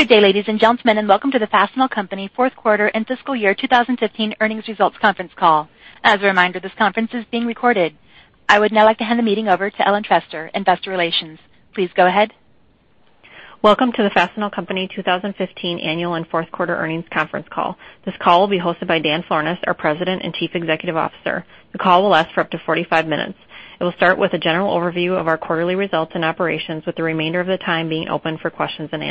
Good day, ladies and gentlemen, and welcome to the Fastenal Company fourth quarter and fiscal year 2015 earnings results conference call. As a reminder, this conference is being recorded. I would now like to hand the meeting over to Ellen Trester, Investor Relations. Please go ahead. Welcome to the Fastenal Company 2015 annual and fourth quarter earnings conference call. This call will be hosted by Daniel Florness, our President and Chief Executive Officer. The call will last for up to 45 minutes. It will start with a general overview of our quarterly results and operations, with the remainder of the time being open for questions and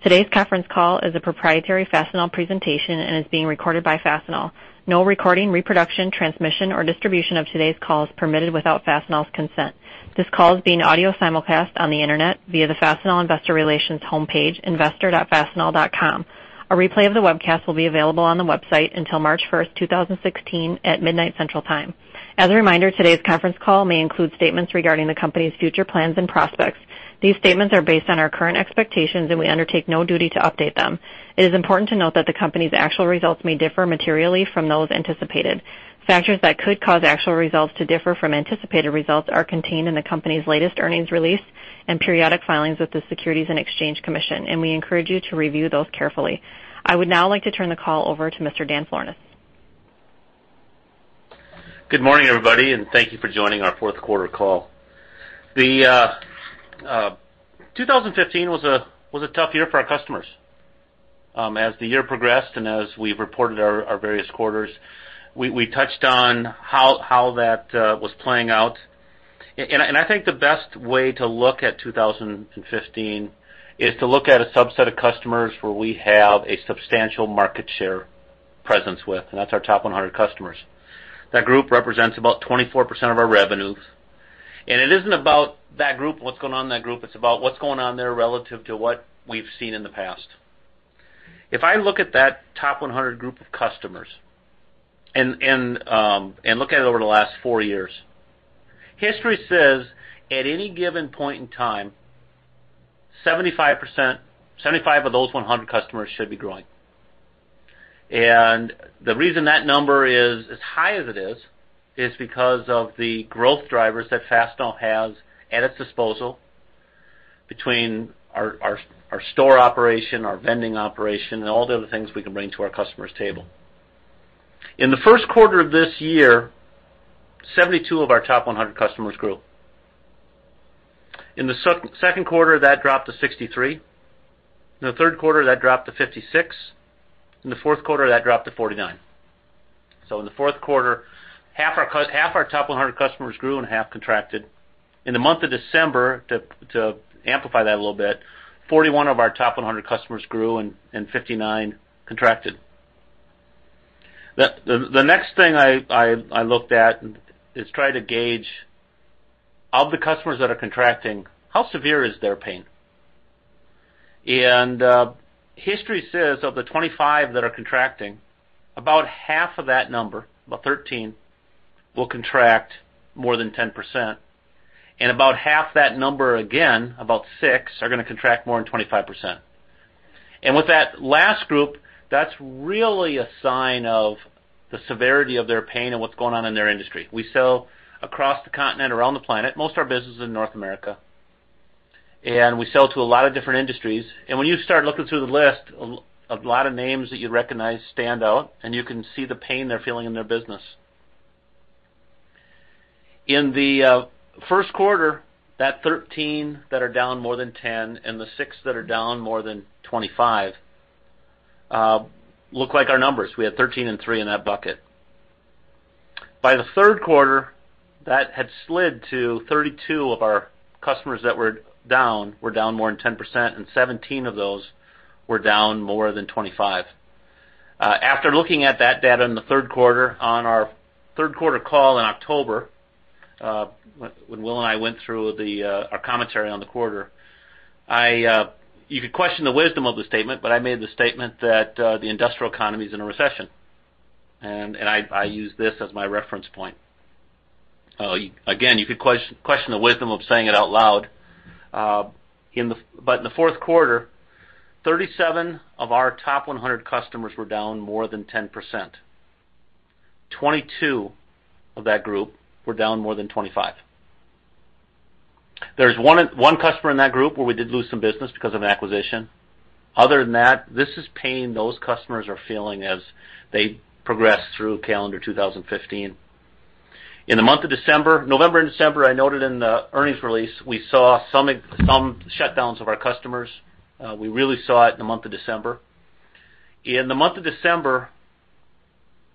answers. Today's conference call is a proprietary Fastenal presentation and is being recorded by Fastenal. No recording, reproduction, transmission, or distribution of today's call is permitted without Fastenal's consent. This call is being audio simulcast on the internet via the Fastenal Investor Relations homepage, investor.fastenal.com. A replay of the webcast will be available on the website until March 1st, 2016, at midnight Central Time. As a reminder, today's conference call may include statements regarding the company's future plans and prospects. These statements are based on our current expectations, we undertake no duty to update them. It is important to note that the company's actual results may differ materially from those anticipated. Factors that could cause actual results to differ from anticipated results are contained in the company's latest earnings release and periodic filings with the Securities and Exchange Commission, we encourage you to review those carefully. I would now like to turn the call over to Mr. Daniel Florness. Good morning, everybody, thank you for joining our fourth quarter call. 2015 was a tough year for our customers. As the year progressed, as we've reported our various quarters, we touched on how that was playing out. I think the best way to look at 2015 is to look at a subset of customers where we have a substantial market share presence with, and that's our top 100 customers. That group represents about 24% of our revenues, it isn't about what's going on in that group. It's about what's going on there relative to what we've seen in the past. If I look at that top 100 group of customers and look at it over the last four years, history says at any given point in time, 75 of those 100 customers should be growing. The reason that number is as high as it is because of the growth drivers that Fastenal has at its disposal between our store operation, our vending operation, and all the other things we can bring to our customers' table. In the first quarter of this year, 72 of our top 100 customers grew. In the second quarter, that dropped to 63. In the third quarter, that dropped to 56. In the fourth quarter, that dropped to 49. In the fourth quarter, half our top 100 customers grew and half contracted. In the month of December, to amplify that a little bit, 41 of our top 100 customers grew and 59 contracted. The next thing I looked at is try to gauge of the customers that are contracting, how severe is their pain? History says of the 25 that are contracting, about half of that number, about 13, will contract more than 10%, and about half that number again, about six, are going to contract more than 25%. With that last group, that's really a sign of the severity of their pain and what's going on in their industry. We sell across the continent, around the planet. Most of our business is in North America, and we sell to a lot of different industries. When you start looking through the list, a lot of names that you recognize stand out, and you can see the pain they're feeling in their business. In the first quarter, that 13 that are down more than 10 and the six that are down more than 25 look like our numbers. We had 13 and three in that bucket. By the third quarter, that had slid to 32 of our customers that were down, were down more than 10%, and 17 of those were down more than 25. After looking at that data in the third quarter, on our third quarter call in October, when Will and I went through our commentary on the quarter, you could question the wisdom of the statement, but I made the statement that the industrial economy is in a recession. I use this as my reference point. Again, you could question the wisdom of saying it out loud. In the fourth quarter, 37 of our top 100 customers were down more than 10%. 22 of that group were down more than 25. There's one customer in that group where we did lose some business because of an acquisition. Other than that, this is pain those customers are feeling as they progress through calendar 2015. In the month of December, November and December, I noted in the earnings release, we saw some shutdowns of our customers. We really saw it in the month of December. In the month of December,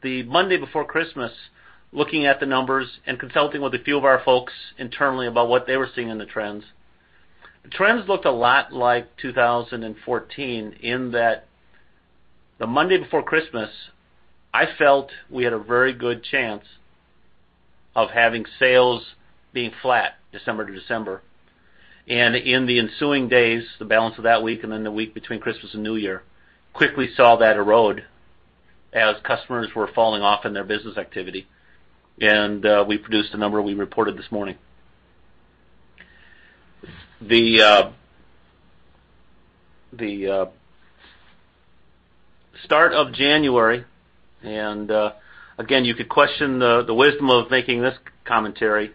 the Monday before Christmas, looking at the numbers and consulting with a few of our folks internally about what they were seeing in the trends, the trends looked a lot like 2014 in that the Monday before Christmas, I felt we had a very good chance of having sales being flat December to December. In the ensuing days, the balance of that week and then the week between Christmas and New Year, quickly saw that erode as customers were falling off in their business activity. We produced the number we reported this morning. Start of January, again, you could question the wisdom of making this commentary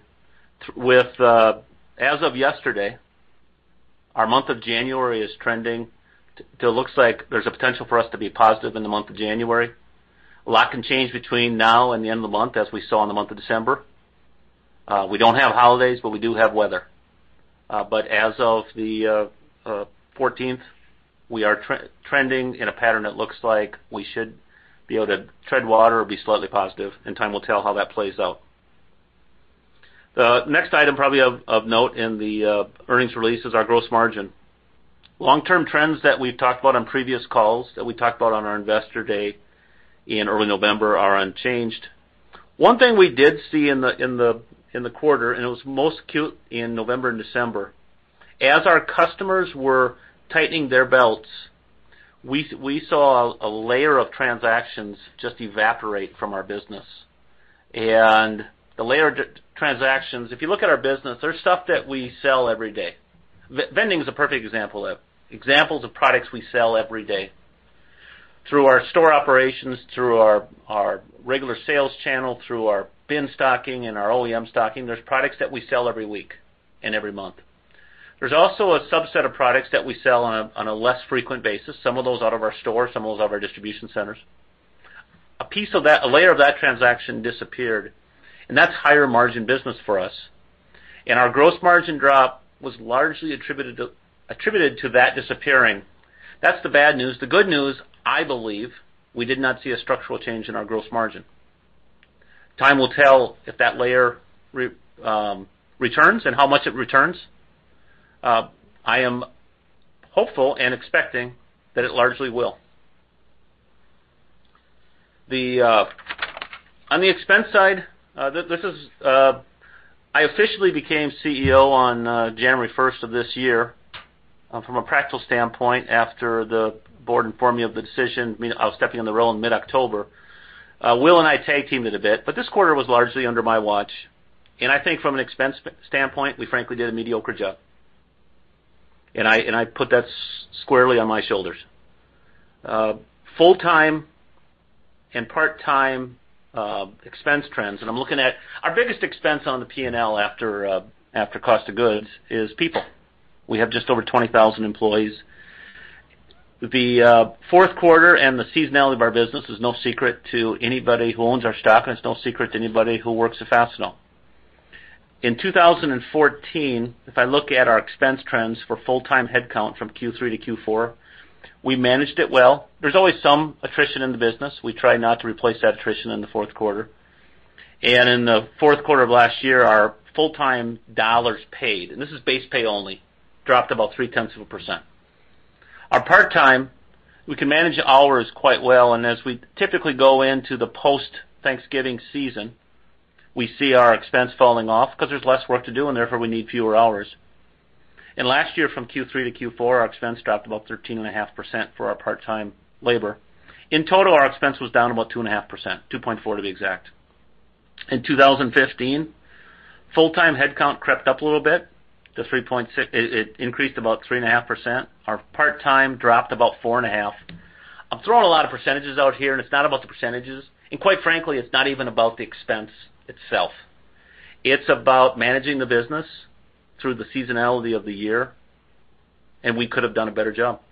with, as of yesterday, our month of January is trending to looks like there's a potential for us to be positive in the month of January. A lot can change between now and the end of the month, as we saw in the month of December. We don't have holidays, but we do have weather. As of the 14th, we are trending in a pattern that looks like we should be able to tread water or be slightly positive, and time will tell how that plays out. The next item probably of note in the earnings release is our gross margin. Long-term trends that we've talked about on previous calls, that we talked about on our investor day in early November, are unchanged. One thing we did see in the quarter, it was most acute in November and December, as our customers were tightening their belts, we saw a layer of transactions just evaporate from our business. The layer of transactions, if you look at our business, there's stuff that we sell every day. Vending is a perfect example of products we sell every day. Through our store operations, through our regular sales channel, through our bin stocking and our OEM stocking, there's products that we sell every week and every month. There's also a subset of products that we sell on a less frequent basis, some of those out of our stores, some of those out of our distribution centers. A layer of that transaction disappeared, and that's higher margin business for us. Our gross margin drop was largely attributed to that disappearing. That's the bad news. The good news, I believe, we did not see a structural change in our gross margin. Time will tell if that layer returns and how much it returns. I am hopeful and expecting that it largely will. On the expense side, I officially became CEO on January first of this year. From a practical standpoint, after the board informed me of the decision, I was stepping in the role in mid-October. Will and I tag-teamed it a bit, but this quarter was largely under my watch. I think from an expense standpoint, we frankly did a mediocre job. I put that squarely on my shoulders. Full-time and part-time expense trends. Our biggest expense on the P&L after cost of goods is people. We have just over 20,000 employees. The fourth quarter and the seasonality of our business is no secret to anybody who owns our stock, it's no secret to anybody who works at Fastenal. In 2014, if I look at our expense trends for full-time headcount from Q3 to Q4, we managed it well. There's always some attrition in the business. We try not to replace that attrition in the fourth quarter. In the fourth quarter of last year, our full-time dollars paid, and this is base pay only, dropped about three-tenths of a %. Our part-time, we can manage hours quite well, as we typically go into the post-Thanksgiving season, we see our expense falling off because there's less work to do, and therefore we need fewer hours. Last year, from Q3 to Q4, our expense dropped about 13 and a half % for our part-time labor. In total, our expense was down about 2.5%, 2.4% to be exact. In 2015, full-time headcount crept up a little bit. It increased about 3.5%. Our part-time dropped about 4.5%. I'm throwing a lot of percentages out here, and it's not about the percentages, and quite frankly, it's not even about the expense itself. It's about managing the business through the seasonality of the year, and we could have done a better job.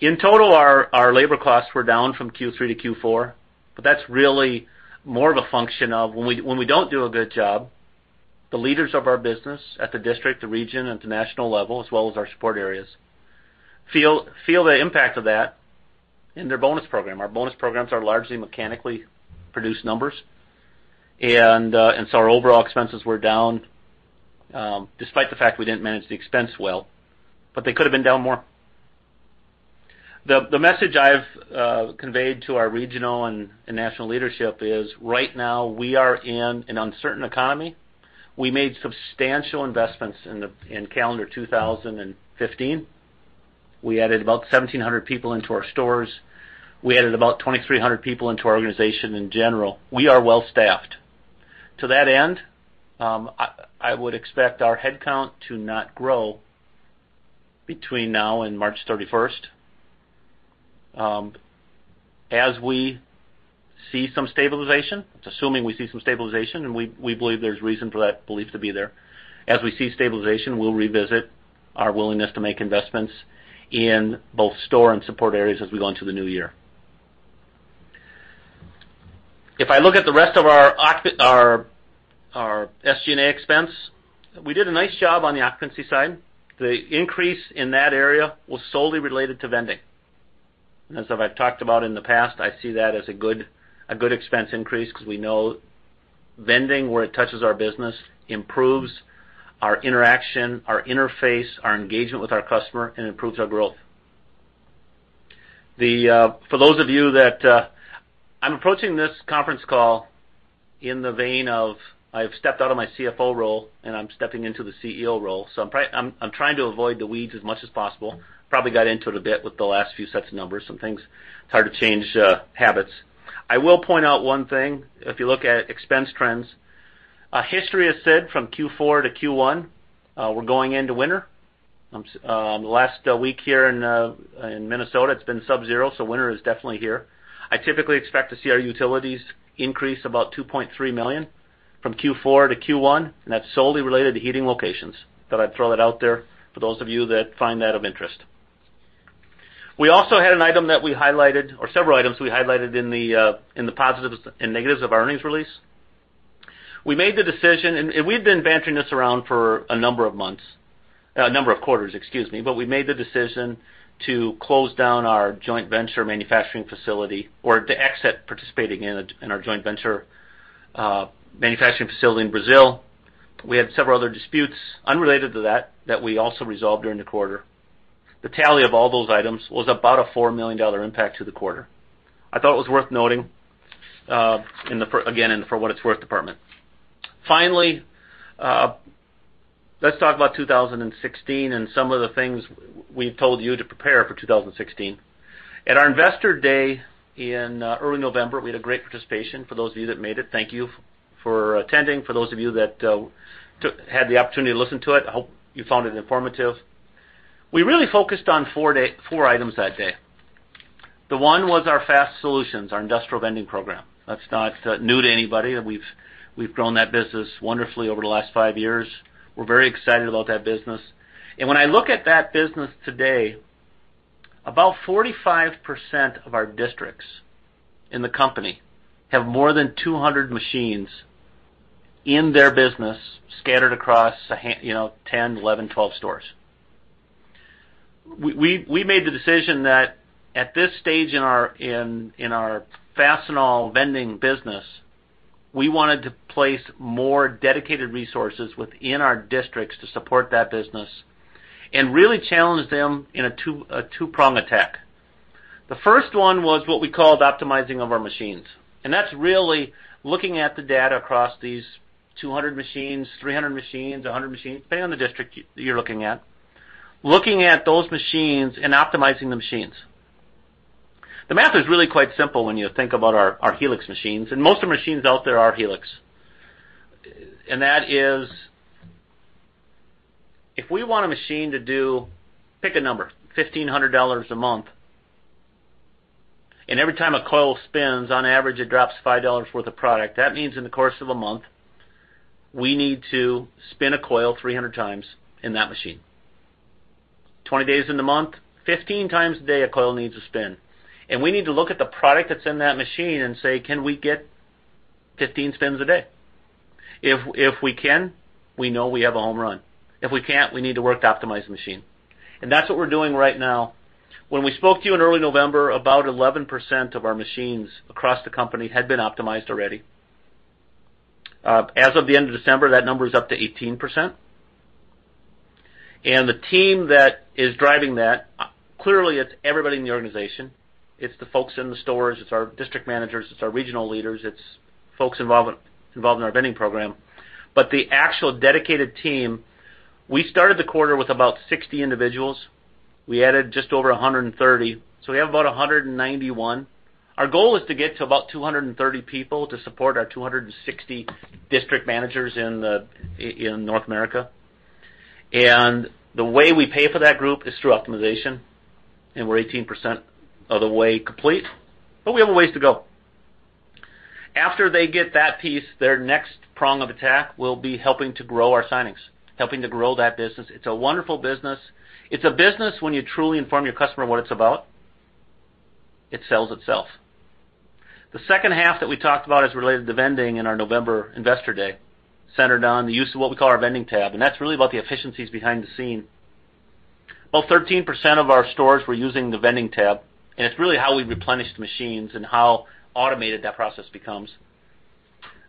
In total, our labor costs were down from Q3 to Q4. That's really more of a function of when we don't do a good job, the leaders of our business at the district, the region, and at the national level, as well as our support areas, feel the impact of that in their bonus program. Our bonus programs are largely mechanically produced numbers. Our overall expenses were down, despite the fact we didn't manage the expense well. They could have been down more. The message I've conveyed to our regional and national leadership is, right now, we are in an uncertain economy. We made substantial investments in calendar 2015. We added about 1,700 people into our stores. We added about 2,300 people into our organization in general. We are well-staffed. To that end, I would expect our headcount to not grow between now and March 31st. As we see some stabilization, it's assuming we see some stabilization, and we believe there's reason for that belief to be there. As we see stabilization, we'll revisit our willingness to make investments in both store and support areas as we go into the new year. If I look at the rest of our SG&A expense, we did a nice job on the occupancy side. The increase in that area was solely related to vending. As I've talked about in the past, I see that as a good expense increase because we know vending, where it touches our business, improves our interaction, our interface, our engagement with our customer, and improves our growth. I'm approaching this conference call in the vein of I've stepped out of my CFO role and I'm stepping into the CEO role. I'm trying to avoid the weeds as much as possible. Probably got into it a bit with the last few sets of numbers. It's hard to change habits. I will point out one thing. If you look at expense trends, history has said from Q4 to Q1, we're going into winter. Last week here in Minnesota, it's been subzero. Winter is definitely here. I typically expect to see our utilities increase about $2.3 million from Q4 to Q1. That's solely related to heating locations. Thought I'd throw that out there for those of you that find that of interest. We also had an item that we highlighted, or several items we highlighted in the positives and negatives of our earnings release. We made the decision, and we've been bantering this around for a number of months, a number of quarters, excuse me. We made the decision to close down our joint venture manufacturing facility or to exit participating in our joint venture manufacturing facility in Brazil. We had several other disputes unrelated to that we also resolved during the quarter. The tally of all those items was about a $4 million impact to the quarter. I thought it was worth noting, again, in the for what it's worth department. Finally, let's talk about 2016 and some of the things we've told you to prepare for 2016. At our investor day in early November, we had a great participation. For those of you that made it, thank you for attending. For those of you that had the opportunity to listen to it, I hope you found it informative. We really focused on four items that day. The one was our FAST Solutions, our industrial vending program. That's not new to anybody. We've grown that business wonderfully over the last five years. We're very excited about that business. When I look at that business today, about 45% of our districts in the company have more than 200 machines in their business scattered across 10, 11, 12 stores. We made the decision that at this stage in our Fastenal vending business, we wanted to place more dedicated resources within our districts to support that business and really challenge them in a two-prong attack. The first one was what we called optimizing of our machines, and that's really looking at the data across these 200 machines, 300 machines, 100 machines, depending on the district you're looking at, looking at those machines and optimizing the machines. The math is really quite simple when you think about our Helix machines, and most of the machines out there are Helix. That is, if we want a machine to do, pick a number, $1,500 a month, and every time a coil spins, on average, it drops $5 worth of product. That means in the course of a month, we need to spin a coil 300 times in that machine. 20 days in the month, 15 times a day, a coil needs to spin. We need to look at the product that's in that machine and say, "Can we get 15 spins a day?" If we can, we know we have a home run. If we can't, we need to work to optimize the machine. That's what we're doing right now. When we spoke to you in early November, about 11% of our machines across the company had been optimized already. As of the end of December, that number is up to 18%. The team that is driving that, clearly, it's everybody in the organization. It's the folks in the stores, it's our district managers, it's our regional leaders, it's folks involved in our vending program. The actual dedicated team, we started the quarter with about 60 individuals. We added just over 130, so we have about 191. Our goal is to get to about 230 people to support our 260 district managers in North America. The way we pay for that group is through optimization, and we're 18% of the way complete, we have a ways to go. After they get that piece, their next prong of attack will be helping to grow our signings, helping to grow that business. It's a wonderful business. It's a business when you truly inform your customer what it's about, it sells itself. The second half that we talked about is related to vending in our November investor day, centered on the use of what we call our vending tab, and that's really about the efficiencies behind the scene. About 13% of our stores were using the vending tab. It's really how we replenish the machines and how automated that process becomes.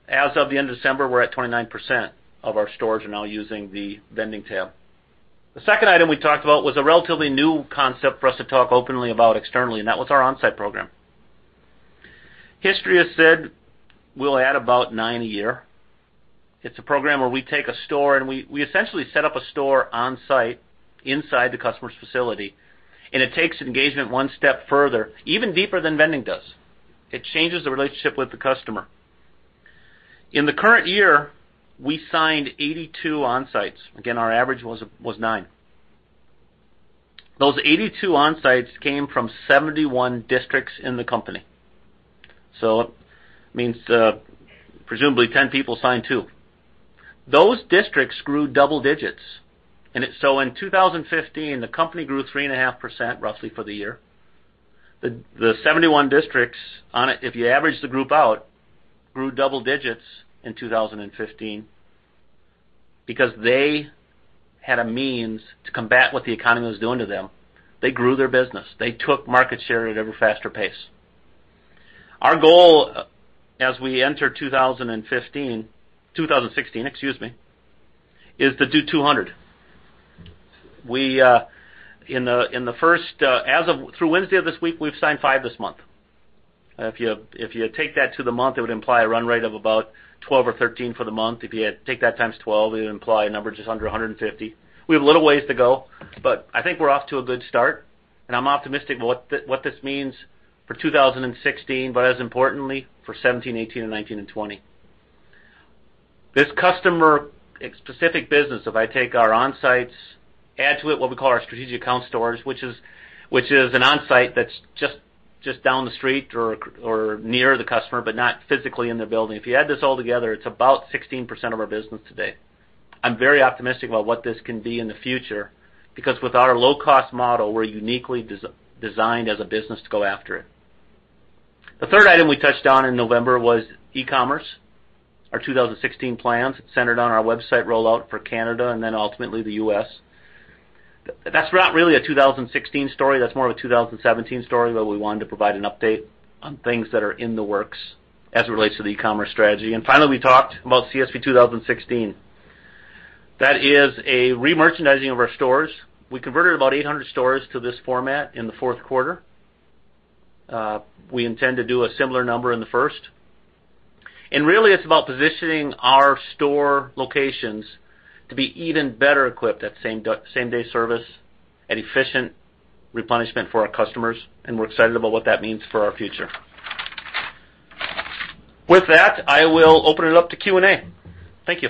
As of the end of December, we're at 29% of our stores are now using the vending tab. The second item we talked about was a relatively new concept for us to talk openly about externally, and that was our Onsite program. History has said we'll add about nine a year. It's a program where we take a store and we essentially set up a store on-site inside the customer's facility, and it takes engagement one step further, even deeper than vending does. It changes the relationship with the customer. In the current year, we signed 82 Onsites. Again, our average was nine. Those 82 Onsites came from 71 districts in the company. It means, presumably, 10 people signed two. Those districts grew double digits. In 2015, the company grew 3.5% roughly for the year. The 71 districts on it, if you average the group out, grew double digits in 2015 because they had a means to combat what the economy was doing to them. They grew their business. They took market share at an even faster pace. Our goal as we enter 2015, 2016, excuse me, is to do 200. Through Wednesday of this week, we've signed five this month. If you take that to the month, it would imply a run rate of about 12 or 13 for the month. If you take that times 12, it would imply a number just under 150. We have a little ways to go, but I think we're off to a good start, and I'm optimistic what this means for 2016, but as importantly, for 2017, 2018, 2019, and 2020. This customer-specific business, if I take our Onsites, add to it what we call our strategic account stores, which is an Onsite that's just down the street or near the customer, but not physically in the building. If you add this all together, it's about 16% of our business today. I'm very optimistic about what this can be in the future, because with our low-cost model, we're uniquely designed as a business to go after it. The third item we touched on in November was eCommerce. Our 2016 plans centered on our website rollout for Canada and then ultimately the U.S. That's not really a 2016 story. That's more of a 2017 story, but we wanted to provide an update on things that are in the works as it relates to the eCommerce strategy. Finally, we talked about CSP 2016. That is a remerchandising of our stores. We converted about 800 stores to this format in the fourth quarter. We intend to do a similar number in the first. Really, it's about positioning our store locations to be even better equipped at same-day service and efficient replenishment for our customers, and we're excited about what that means for our future. With that, I will open it up to Q&A. Thank you.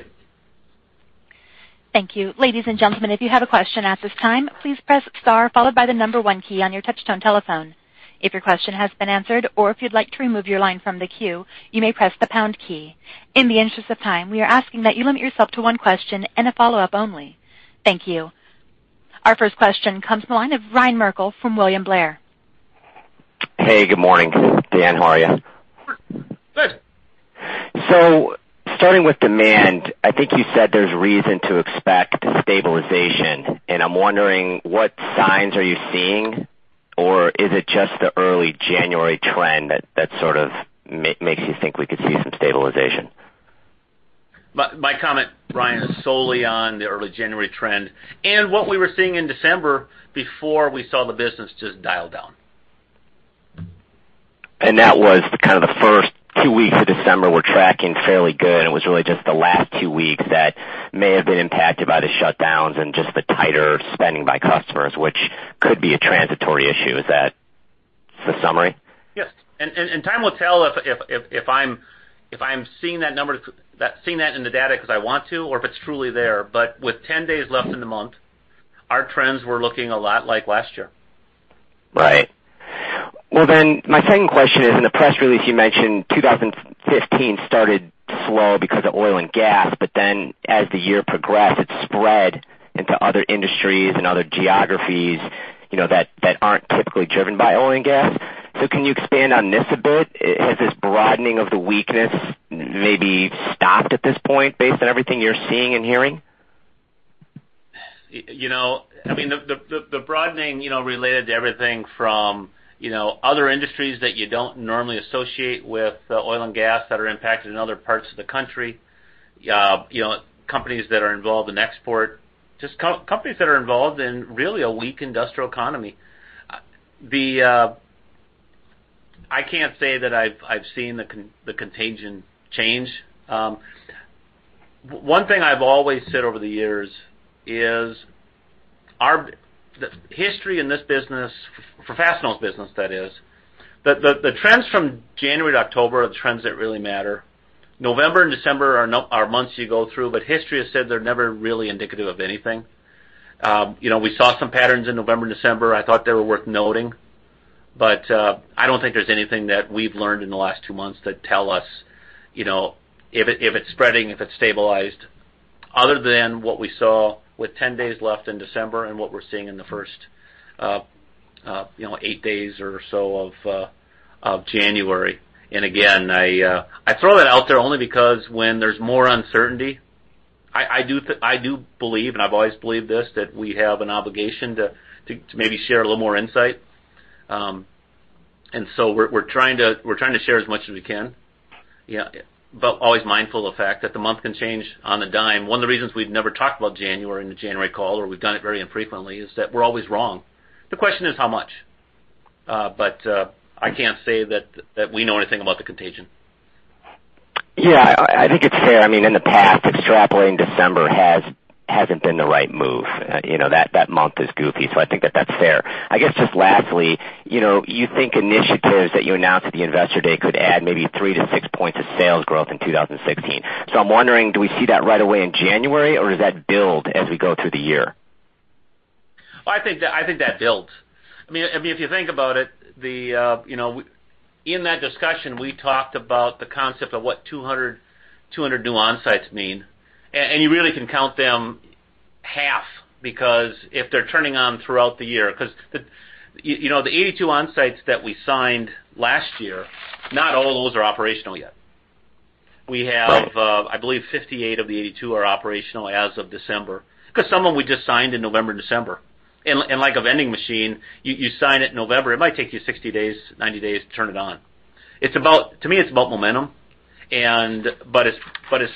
Thank you. Ladies and gentlemen, if you have a question at this time, please press star followed by the number 1 key on your touchtone telephone. If your question has been answered or if you'd like to remove your line from the queue, you may press the pound key. In the interest of time, we are asking that you limit yourself to one question and a follow-up only. Thank you. Our first question comes from the line of Ryan Merkel from William Blair. Hey, good morning, Dan. How are you? Good. Starting with demand, I think you said there's reason to expect stabilization, and I'm wondering what signs are you seeing, or is it just the early January trend that sort of makes you think we could see some stabilization? My comment, Ryan, is solely on the early January trend and what we were seeing in December before we saw the business just dial down. That was kind of the first two weeks of December were tracking fairly good, it was really just the last two weeks that may have been impacted by the shutdowns and just the tighter spending by customers, which could be a transitory issue. Is that the summary? Yes. Time will tell if I'm seeing that in the data because I want to or if it's truly there. With 10 days left in the month, our trends were looking a lot like last year. Right. My second question is, in the press release you mentioned 2015 started slow because of oil and gas, as the year progressed, it spread into other industries and other geographies that aren't typically driven by oil and gas. Can you expand on this a bit? Has this broadening of the weakness maybe stopped at this point based on everything you're seeing and hearing? The broadening related to everything from other industries that you don't normally associate with oil and gas that are impacted in other parts of the country, companies that are involved in export, just companies that are involved in really a weak industrial economy. I can't say that I've seen the contagion change. One thing I've always said over the years is the history in this business, for Fastenal's business that is, the trends from January to October are the trends that really matter. November and December are months you go through, but history has said they're never really indicative of anything. We saw some patterns in November and December. I thought they were worth noting. I don't think there's anything that we've learned in the last two months that tell us if it's spreading, if it's stabilized, other than what we saw with 10 days left in December and what we're seeing in the first eight days or so of January. Again, I throw that out there only because when there's more uncertainty, I do believe, and I've always believed this, that we have an obligation to maybe share a little more insight. So we're trying to share as much as we can, but always mindful of the fact that the month can change on a dime. One of the reasons we've never talked about January in the January call, or we've done it very infrequently, is that we're always wrong. The question is how much. I can't say that we know anything about the contagion. Yeah, I think it's fair. In the past, extrapolating December hasn't been the right move. That month is goofy. I think that that's fair. I guess just lastly, you think initiatives that you announced at the Investor Day could add maybe three to six points of sales growth in 2016. I'm wondering, do we see that right away in January, or does that build as we go through the year? I think that builds. If you think about it, in that discussion, we talked about the concept of what 200 new Onsites mean. You really can count them half because if they're turning on throughout the year. Because the 82 Onsites that we signed last year, not all of those are operational yet. Right. We have, I believe, 58 of the 82 are operational as of December because some of them we just signed in November and December. Like a vending machine, you sign it in November, it might take you 60 days, 90 days to turn it on. To me, it's about momentum. As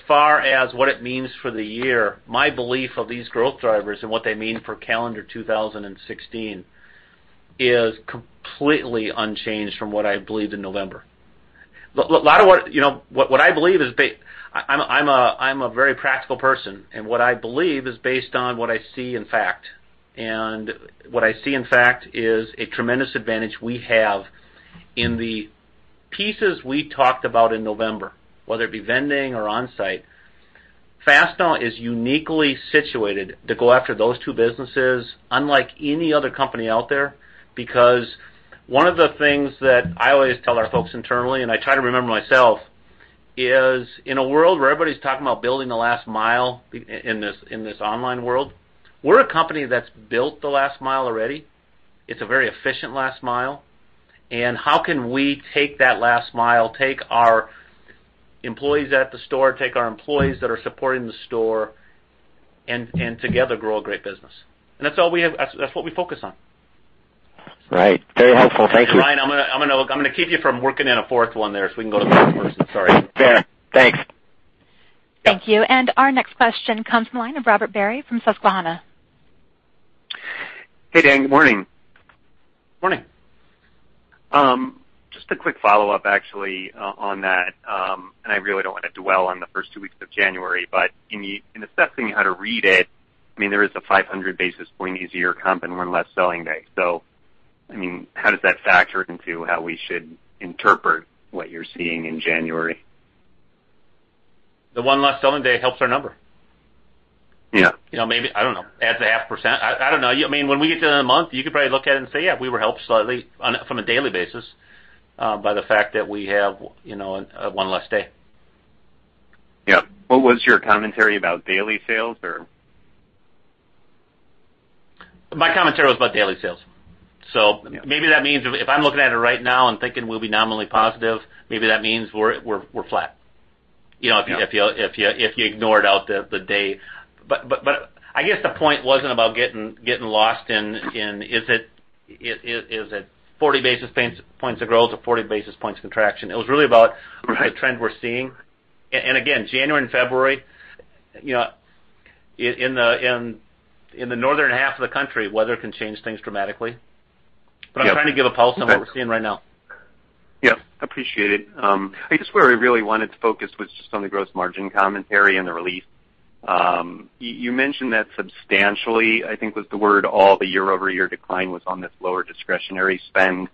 far as what it means for the year, my belief of these growth drivers and what they mean for calendar 2016 is completely unchanged from what I believed in November. I'm a very practical person, and what I believe is based on what I see in fact, and what I see in fact is a tremendous advantage we have in the pieces we talked about in November, whether it be vending or Onsite. Fastenal is uniquely situated to go after those two businesses unlike any other company out there, because one of the things that I always tell our folks internally, and I try to remember myself, is in a world where everybody's talking about building the last mile in this online world, we're a company that's built the last mile already. It's a very efficient last mile. How can we take that last mile, take our employees at the store, take our employees that are supporting the store, and together grow a great business? That's all we have. That's what we focus on. Right. Very helpful. Thank you. Ryan, I'm going to keep you from working on a fourth one there, we can go to the next person. Sorry. Fair. Thanks. Yeah. Thank you. Our next question comes from the line of Robert Barry from Susquehanna. Hey, Dan. Good morning. Morning. Just a quick follow-up actually on that, and I really don't want to dwell on the first two weeks of January, but in assessing how to read it, there is a 500 basis point easier comp and one less selling day. How does that factor into how we should interpret what you're seeing in January? The one less selling day helps our number. Yeah. Maybe, I don't know, adds a half percent. I don't know. When we get to the end of the month, you could probably look at it and say, yeah, we were helped slightly on a from a daily basis, by the fact that we have one less day. Yeah. What was your commentary about daily sales or? My commentary was about daily sales. Yeah maybe that means if I'm looking at it right now and thinking we'll be nominally positive, maybe that means we're flat. Yeah. If you ignore out the day. I guess the point wasn't about getting lost in, is it 40 basis points of growth or 40 basis points contraction? It was really about. Right the trend we're seeing. Again, January and February, in the northern half of the country, weather can change things dramatically. Yeah. I'm trying to give a pulse. Okay on what we're seeing right now. Yeah, appreciate it. I guess where I really wanted to focus was just on the gross margin commentary and the release. You mentioned that substantially, I think was the word, all the year-over-year decline was on this lower discretionary spend.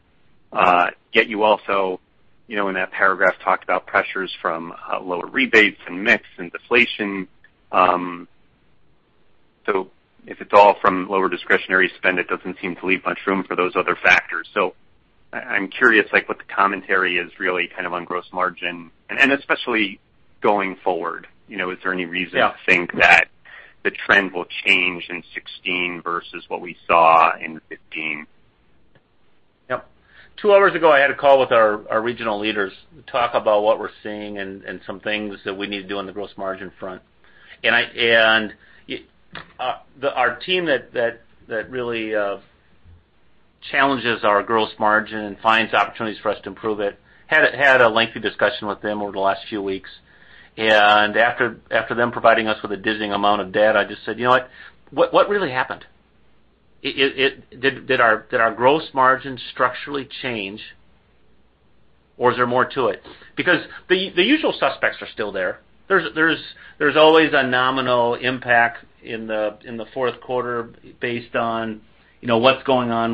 You also, in that paragraph, talked about pressures from lower rebates and mix and deflation. If it's all from lower discretionary spend, it doesn't seem to leave much room for those other factors. I'm curious, like, what the commentary is really on gross margin and especially going forward. Is there any reason- Yeah to think that the trend will change in 2016 versus what we saw in 2015? Yep. Two hours ago, I had a call with our regional leaders to talk about what we're seeing and some things that we need to do on the gross margin front. Our team that really challenges our gross margin and finds opportunities for us to improve it had a lengthy discussion with them over the last few weeks. After them providing us with a dizzying amount of data, I just said, "You know what? What really happened? Did our gross margin structurally change or is there more to it?" The usual suspects are still there. There's always a nominal impact in the fourth quarter based on what's going on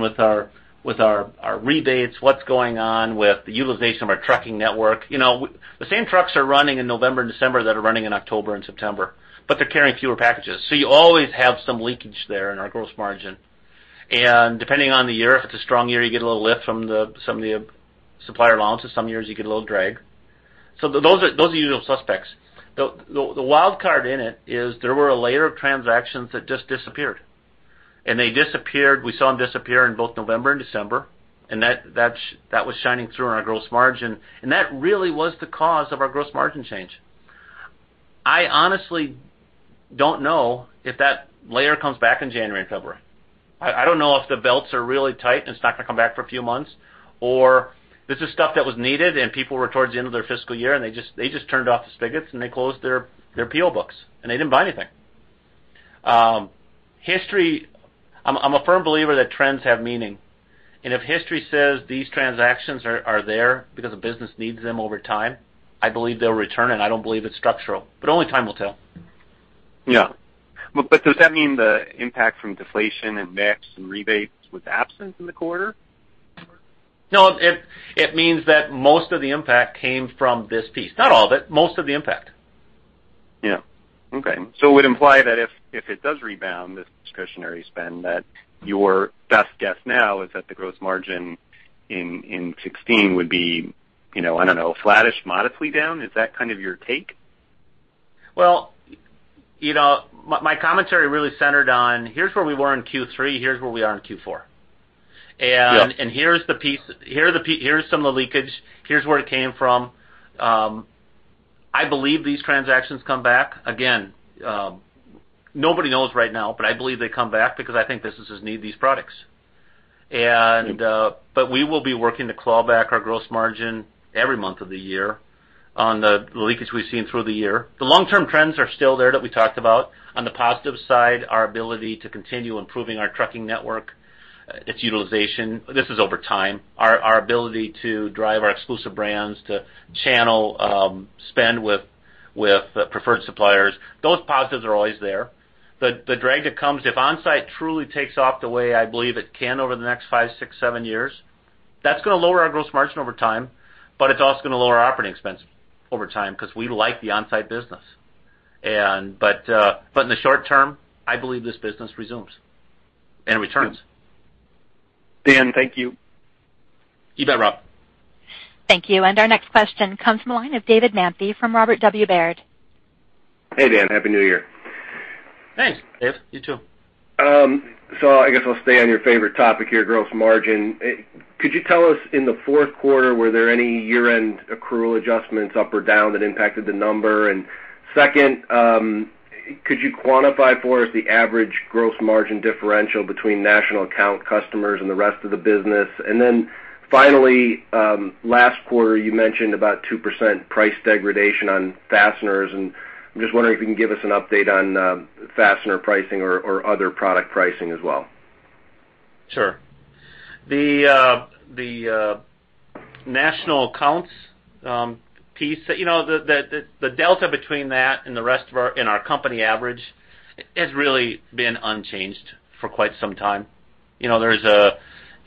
with our rebates, what's going on with the utilization of our trucking network. The same trucks are running in November and December that are running in October and September, but they're carrying fewer packages. You always have some leakage there in our gross margin. Depending on the year, if it's a strong year, you get a little lift from some of the supplier allowances. Some years you get a little drag. Those are usual suspects. The wild card in it is there were a layer of transactions that just disappeared. They disappeared, we saw them disappear in both November and December, and that was shining through on our gross margin, and that really was the cause of our gross margin change. I honestly don't know if that layer comes back in January and February. I don't know if the belts are really tight and it's not going to come back for a few months. This is stuff that was needed and people were towards the end of their fiscal year, and they just turned off the spigots and they closed their PO books, and they didn't buy anything. I'm a firm believer that trends have meaning, and if history says these transactions are there because a business needs them over time, I believe they'll return, and I don't believe it's structural, but only time will tell. Yeah. Does that mean the impact from deflation and mix and rebates was absent in the quarter? No. It means that most of the impact came from this piece. Not all of it, most of the impact. Yeah. Okay. It would imply that if it does rebound, this discretionary spend, that your best guess now is that the gross margin in 2016 would be, I don't know, flattish, modestly down. Is that kind of your take? Well, my commentary really centered on here's where we were in Q3, here's where we are in Q4. Yeah. Here's some of the leakage, here's where it came from. I believe these transactions come back. Again, nobody knows right now, I believe they come back because I think businesses need these products. We will be working to claw back our gross margin every month of the year on the leakage we've seen through the year. The long-term trends are still there that we talked about. On the positive side, our ability to continue improving our trucking network, its utilization. This is over time. Our ability to drive our exclusive brands to channel spend with preferred suppliers. Those positives are always there. The drag that comes, if Onsite truly takes off the way I believe it can over the next five, six, seven years, that's going to lower our gross margin over time, but it's also going to lower operating expense over time because we like the Onsite business. In the short term, I believe this business resumes and returns. Dan, thank you. You bet, Rob. Thank you. Our next question comes from the line of David Manthey from Robert W. Baird. Hey, Dan. Happy New Year. Thanks, Dave. You too. I guess I'll stay on your favorite topic here, gross margin. Could you tell us in the fourth quarter, were there any year-end accrual adjustments up or down that impacted the number? Second, could you quantify for us the average gross margin differential between national account customers and the rest of the business? Finally, last quarter you mentioned about 2% price degradation on fasteners, and I'm just wondering if you can give us an update on fastener pricing or other product pricing as well. Sure. The national accounts piece, the delta between that and the rest of our, in our company average has really been unchanged for quite some time. There's an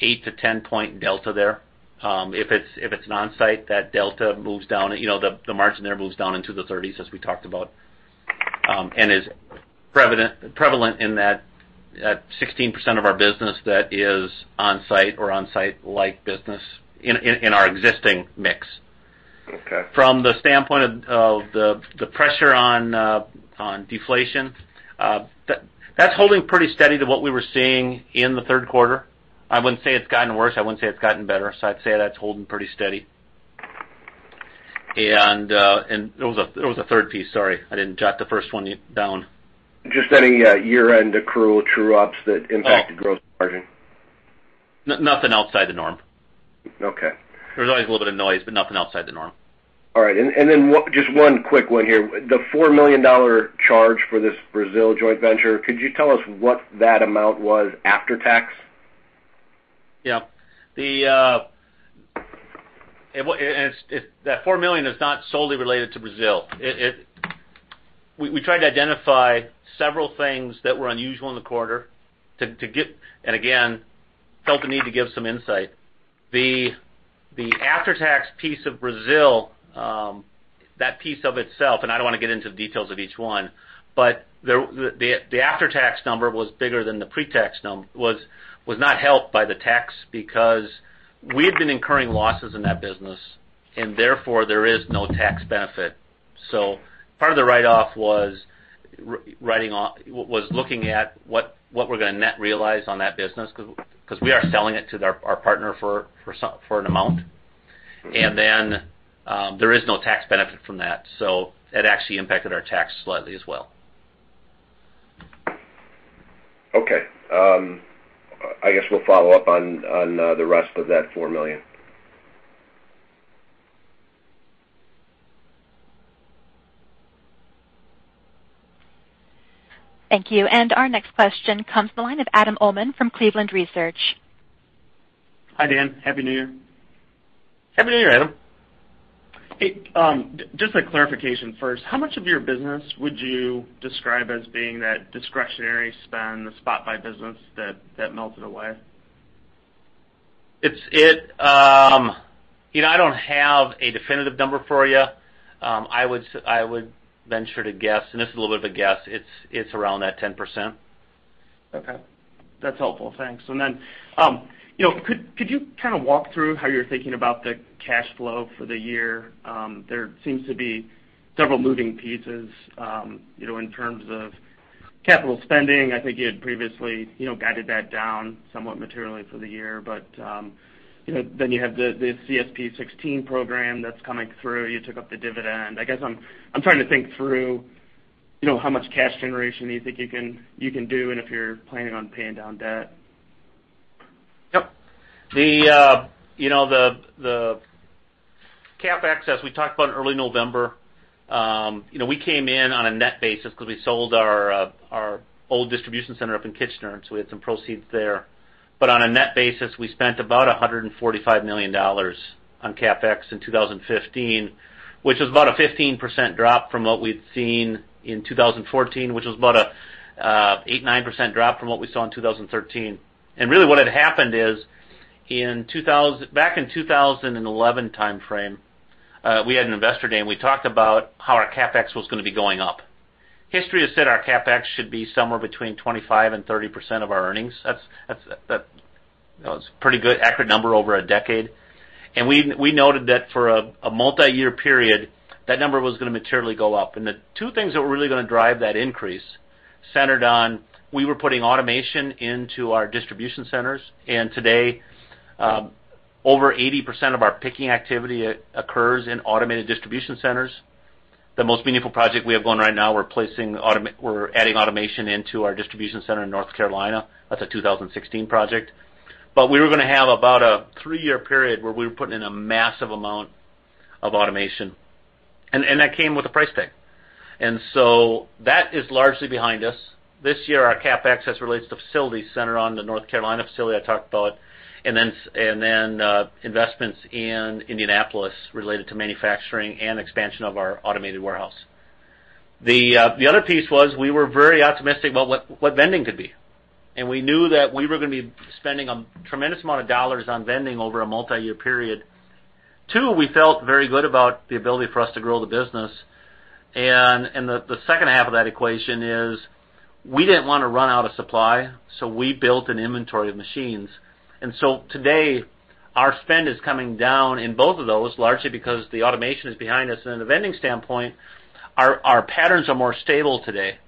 8-10 point delta there. If it's an Onsite, that delta moves down. The margin there moves down into the thirties, as we talked about, and is prevalent in that 16% of our business that is Onsite or Onsite-like business in our existing mix. Okay. From the standpoint of the pressure on deflation, that's holding pretty steady to what we were seeing in the third quarter. I wouldn't say it's gotten worse, I wouldn't say it's gotten better. I'd say that's holding pretty steady. There was a third piece, sorry, I didn't jot the first one down. Just any year-end accrual true ups that impacted gross margin? Nothing outside the norm. Okay. There's always a little bit of noise, but nothing outside the norm. All right. Just one quick one here. The $4 million charge for this Brazil joint venture, could you tell us what that amount was after tax? Yeah. That $4 million is not solely related to Brazil. We tried to identify several things that were unusual in the quarter to get, felt the need to give some insight. The after-tax piece of Brazil, that piece of itself, I don't want to get into the details of each one, but the after-tax number was bigger than the pre-tax number. Was not helped by the tax because we had been incurring losses in that business, and therefore there is no tax benefit. Part of the write-off was looking at what we're going to net realize on that business, because we are selling it to our partner for an amount. There is no tax benefit from that. It actually impacted our tax slightly as well. Okay. I guess we'll follow up on the rest of that $4 million. Thank you. Our next question comes the line of Adam Uhlman from Cleveland Research. Hi, Dan. Happy New Year. Happy New Year, Adam. Hey, just a clarification first. How much of your business would you describe as being that discretionary spend, the spot buy business that melted away? I don't have a definitive number for you. I would venture to guess, and this is a little bit of a guess, it's around that 10%. Okay. That's helpful. Thanks. Could you kind of walk through how you're thinking about the cash flow for the year? There seems to be several moving pieces, in terms of capital spending. I think you had previously guided that down somewhat materially for the year. You have the CSP 16 program that's coming through. You took up the dividend. I guess I'm trying to think through how much cash generation you think you can do and if you're planning on paying down debt. Yep. The CapEx, as we talked about in early November, we came in on a net basis because we sold our old distribution center up in Kitchener, so we had some proceeds there. On a net basis, we spent about $145 million on CapEx in 2015, which was about a 15% drop from what we'd seen in 2014, which was about an 8%, 9% drop from what we saw in 2013. Really what had happened is back in 2011 timeframe, we had an investor day, and we talked about how our CapEx was going to be going up. History has said our CapEx should be somewhere between 25% and 30% of our earnings. That was a pretty good accurate number over a decade. We noted that for a multi-year period, that number was going to materially go up. The two things that were really going to drive that increase centered on we were putting automation into our distribution centers, and today, over 80% of our picking activity occurs in automated distribution centers. The most meaningful project we have going right now, we're adding automation into our distribution center in North Carolina. That's a 2016 project. We were going to have about a three-year period where we were putting in a massive amount of automation, and that came with a price tag. That is largely behind us. This year, our CapEx as relates to facilities centered on the North Carolina facility I talked about, and then investments in Indianapolis related to manufacturing and expansion of our automated warehouse. The other piece was we were very optimistic about what vending could be, and we knew that we were going to be spending a tremendous amount of dollars on vending over a multi-year period. Two, we felt very good about the ability for us to grow the business. The second half of that equation is we didn't want to run out of supply, so we built an inventory of machines. Today, our spend is coming down in both of those, largely because the automation is behind us. In the vending standpoint, our patterns are more stable today,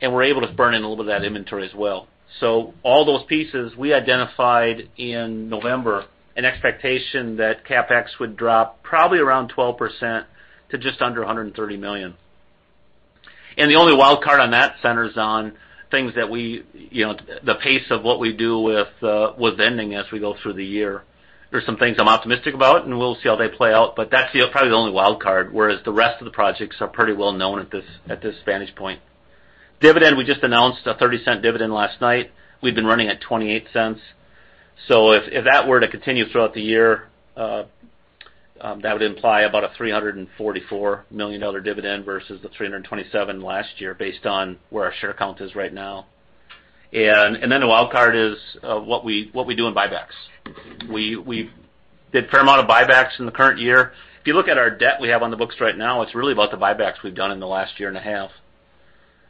and we're able to burn in a little bit of that inventory as well. All those pieces we identified in November, an expectation that CapEx would drop probably around 12% to just under $130 million. The only wildcard on that centers on the pace of what we do with vending as we go through the year. There's some things I'm optimistic about, and we'll see how they play out, but that's probably the only wildcard, whereas the rest of the projects are pretty well known at this vantage point. Dividend, we just announced a $0.30 dividend last night. We've been running at $0.28. If that were to continue throughout the year, that would imply about a $344 million dividend versus the $327 million last year based on where our share count is right now. The wildcard is what we do in buybacks. We did a fair amount of buybacks in the current year. If you look at our debt we have on the books right now, it's really about the buybacks we've done in the last year and a half.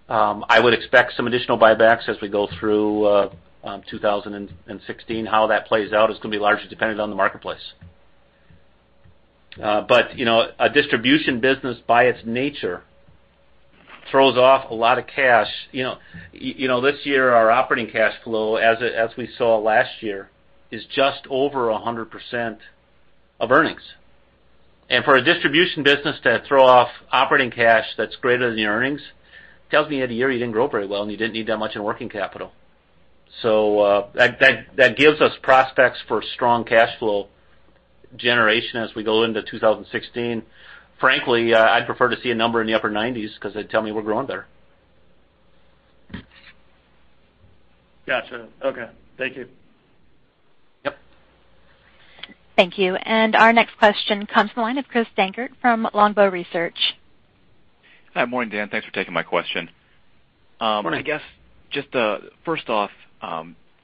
I would expect some additional buybacks as we go through 2016. How that plays out is going to be largely dependent on the marketplace. A distribution business by its nature throws off a lot of cash. This year, our operating cash flow, as we saw last year, is just over 100% of earnings. For a distribution business to throw off operating cash that's greater than the earnings tells me you had a year you didn't grow very well and you didn't need that much in working capital. That gives us prospects for strong cash flow generation as we go into 2016. Frankly, I'd prefer to see a number in the upper 90s because they'd tell me we're growing better. Got you. Okay. Thank you. Yep. Thank you. Our next question comes from the line of Chris Dankert from Longbow Research. Hi. Morning, Dan. Thanks for taking my question. Morning. I guess, just first off,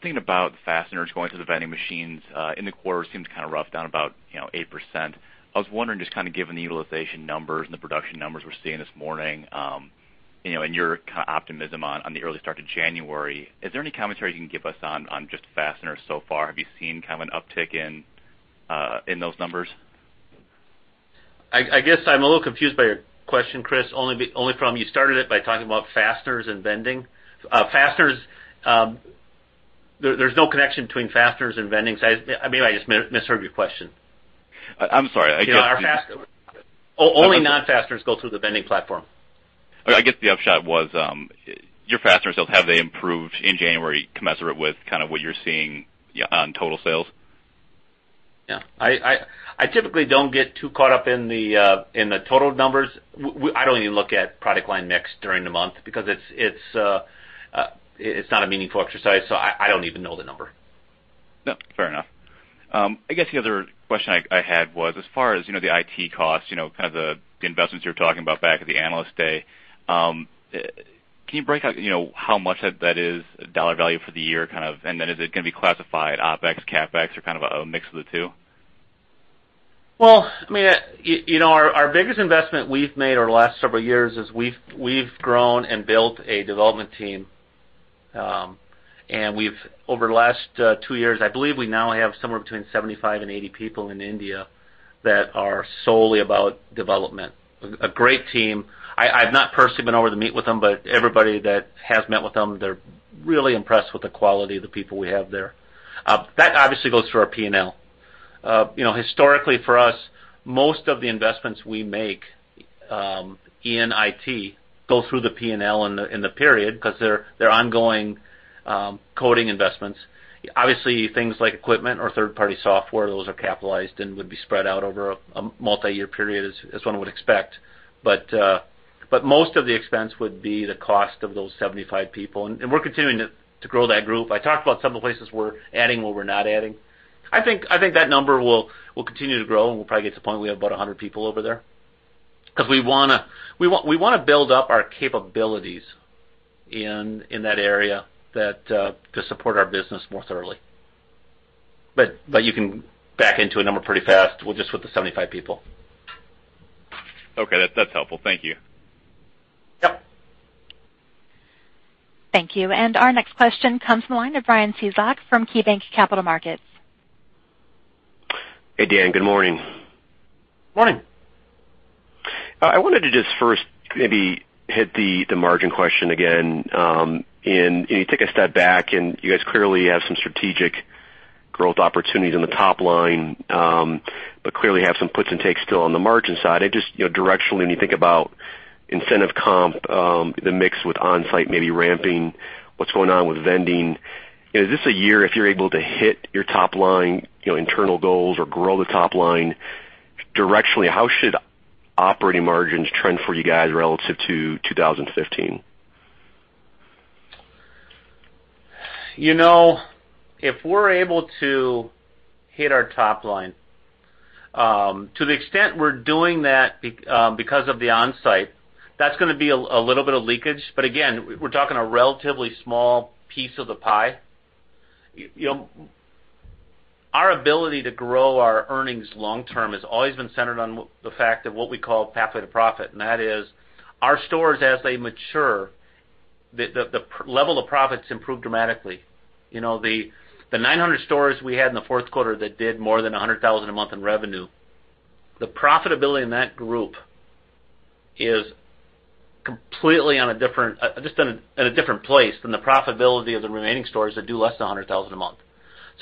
thinking about fasteners going through the vending machines in the quarter seems kind of rough, down about 8%. I was wondering, just kind of given the utilization numbers and the production numbers we're seeing this morning, and your kind of optimism on the early start to January, is there any commentary you can give us on just fasteners so far? Have you seen kind of an uptick in those numbers? I guess I'm a little confused by your question, Chris, only from you started it by talking about fasteners and vending. Fasteners, there's no connection between fasteners and vending. Maybe I just misheard your question. I'm sorry. Only non-fasteners go through the vending platform. I guess the upshot was, your fastener sales, have they improved in January commensurate with kind of what you're seeing on total sales? Yeah. I typically don't get too caught up in the total numbers. I don't even look at product line mix during the month because it's not a meaningful exercise, so I don't even know the number. No, fair enough. I guess the other question I had was, as far as the IT costs, kind of the investments you were talking about back at the Analyst Day, can you break out how much that is, dollar value for the year, kind of, and then is it going to be classified OpEx, CapEx, or kind of a mix of the two? Well, our biggest investment we've made over the last several years is we've grown and built a development team. Over the last two years, I believe we now have somewhere between 75 and 80 people in India that are solely about development. A great team. I've not personally been over to meet with them, but everybody that has met with them, they're really impressed with the quality of the people we have there. That obviously goes through our P&L. Historically for us, most of the investments we make in IT go through the P&L in the period because they're ongoing coding investments. Obviously, things like equipment or third-party software, those are capitalized and would be spread out over a multi-year period as one would expect. Most of the expense would be the cost of those 75 people, and we're continuing to grow that group. I talked about some of the places we're adding or we're not adding. I think that number will continue to grow, and we'll probably get to the point we have about 100 people over there, because we want to build up our capabilities in that area to support our business more thoroughly. You can back into a number pretty fast just with the 75 people. Okay. That's helpful. Thank you. Yep. Thank you. Our next question comes from the line of Brian Szalczyk from KeyBanc Capital Markets. Hey, Dan. Good morning. Morning. I wanted to just first maybe hit the margin question again and take a step back. You guys clearly have some strategic growth opportunities on the top line, but clearly have some puts and takes still on the margin side. Directionally, when you think about incentive comp, the mix with Onsite, maybe ramping what's going on with vending, is this a year if you're able to hit your top-line internal goals or grow the top line directionally, how should operating margins trend for you guys relative to 2015? If we're able to hit our top line, to the extent we're doing that because of the Onsite, that's going to be a little bit of leakage. Again, we're talking a relatively small piece of the pie. Our ability to grow our earnings long-term has always been centered on the fact that what we call Pathway to Profit, that is our stores as they mature, the level of profits improve dramatically. The 900 stores we had in the fourth quarter that did more than $100,000 a month in revenue, the profitability in that group is completely in a different place than the profitability of the remaining stores that do less than $100,000 a month.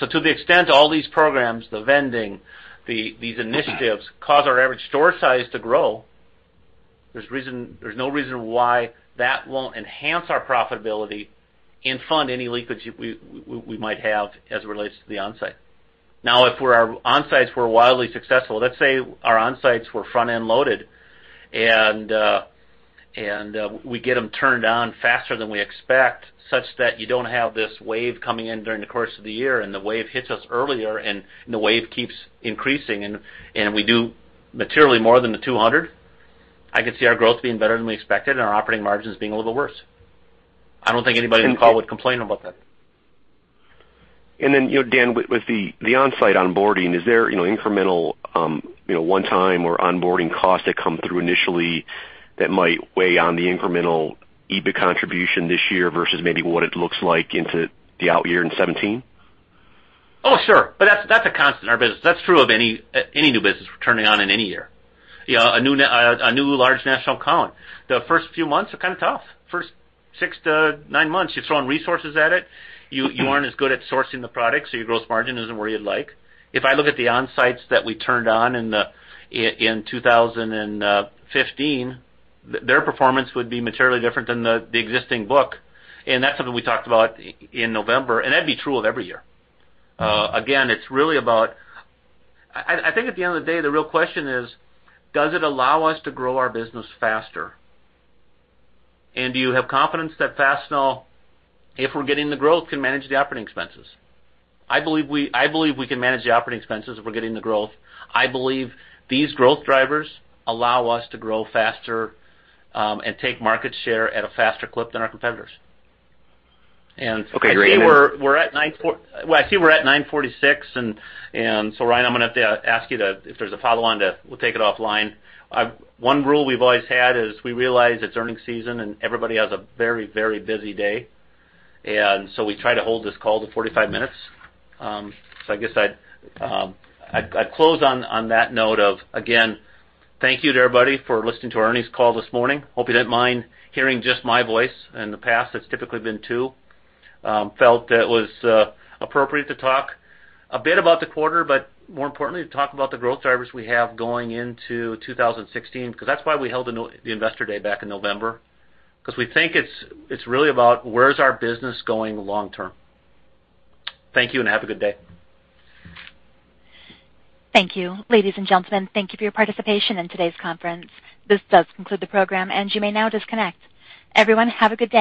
To the extent all these programs, the vending, these initiatives cause our average store size to grow, there's no reason why that won't enhance our profitability and fund any leakage we might have as it relates to the Onsite. Now, if our Onsites were wildly successful, let's say our Onsites were front-end loaded and we get them turned on faster than we expect, such that you don't have this wave coming in during the course of the year, and the wave hits us earlier, and the wave keeps increasing, and we do materially more than the 200, I could see our growth being better than we expected and our operating margins being a little worse. I don't think anybody on the call would complain about that. Dan, with the Onsite onboarding, is there incremental one-time or onboarding costs that come through initially that might weigh on the incremental EBITDA contribution this year versus maybe what it looks like into the out year in 2017? Oh, sure. That's a constant in our business. That's true of any new business we're turning on in any year. A new large national account, the first few months are kind of tough. First six to nine months, you're throwing resources at it. You aren't as good at sourcing the product, so your gross margin isn't where you'd like. If I look at the Onsites that we turned on in 2015, their performance would be materially different than the existing book, and that's something we talked about in November, and that'd be true of every year. I think at the end of the day, the real question is, does it allow us to grow our business faster? Do you have confidence that Fastenal, if we're getting the growth, can manage the operating expenses? I believe we can manage the operating expenses if we're getting the growth. I believe these growth drivers allow us to grow faster and take market share at a faster clip than our competitors. Okay, great. I see we're at 9:46 A.M., Ryan, I'm going to have to ask you that if there's a follow on, we'll take it offline. One rule we've always had is we realize it's earnings season and everybody has a very busy day, we try to hold this call to 45 minutes. I guess I'd close on that note of, again, thank you to everybody for listening to our earnings call this morning. Hope you didn't mind hearing just my voice. In the past, it's typically been two. Felt it was appropriate to talk a bit about the quarter, but more importantly, to talk about the growth drivers we have going into 2016, because that's why we held the Investor Day back in November, because we think it's really about where is our business going long-term. Thank you and have a good day. Thank you. Ladies and gentlemen, thank you for your participation in today's conference. This does conclude the program, and you may now disconnect. Everyone, have a good day.